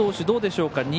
どうでしょうか。